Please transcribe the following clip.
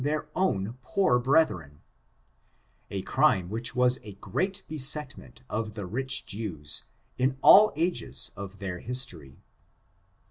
their own poor brethren, a crime which was a great besetment of the rich Jews, in all ages of their his tory.